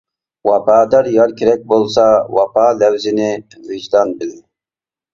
ۋاپادار يار كېرەك بولسا، ۋاپا لەۋزىنى ۋىجدان بىل.